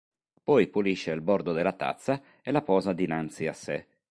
Poi pulisce il bordo della tazza e la posa dinanzi a sé.